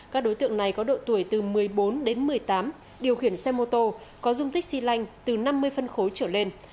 các đối tượng này có độ tuổi từ một mươi bốn đến một mươi tám điều khiển xe mô tô có dung tích xy lanh từ năm mươi phân khối trở lên